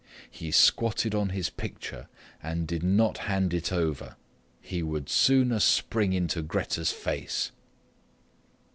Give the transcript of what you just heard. He squatted on his picture and did not hand it over. He would sooner spring into Grete's face.